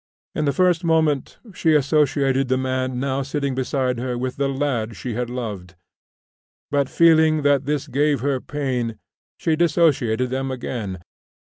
In the first moment, she associated the man now sitting beside her with the lad she had loved; but feeling that this gave her pain, she dissociated them again.